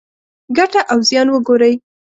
ګټه او زیان وګورئ.